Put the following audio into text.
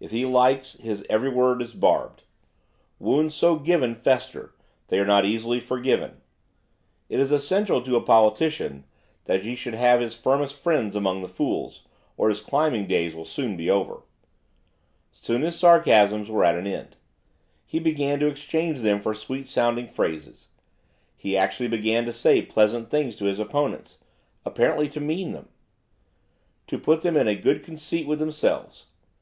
If he likes, his every word is barbed. Wounds so given fester; they are not easily forgiven; it is essential to a politician that he should have his firmest friends among the fools; or his climbing days will soon be over. Soon his sarcasms were at an end. He began to exchange them for sweet sounding phrases. He actually began to say pleasant things to his opponents; apparently to mean them. To put them in a good conceit with themselves.